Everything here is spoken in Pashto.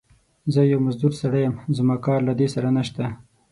زه يو مزدور سړی يم، زما کار له دې سره نشته.